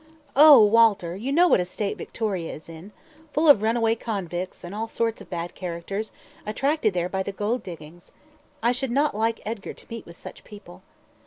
"Oh! Walter, you know what a state Victoria is in full of runaway convicts, and all sorts of bad characters, attracted there by the gold diggings. I should not like Edgar to meet with such people."